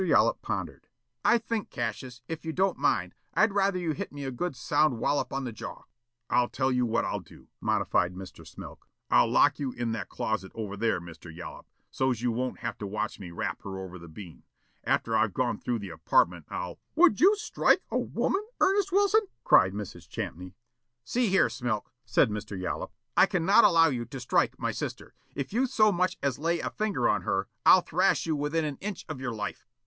Yollop pondered. "I think, Cassius, if you don't mind, I'd rather you'd hit me a good sound wollop on the jaw." "I'll tell you what I'll do," modified Mr. Smilk. "I'll lock you in that closet over there, Mr. Yollop, so's you won't have to watch me rap her over the bean. After I've gone through the apartment, I'll " "Would you strike a woman, Ernest Wilson?" cried Mrs. Champney. "See here, Smilk," said Mr. Yollop, "I cannot allow you to strike my sister. If you so much as lay a finger on her, I'll thrash you within an inch of your life."